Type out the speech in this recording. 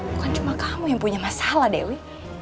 bukan cuma kamu yang punya masalah dewi